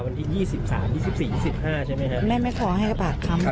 วันที่ยี่สิบสามยี่สิบสี่ยี่สิบห้าใช่ไหมครับแม่ไม่พอให้กระปาดคำ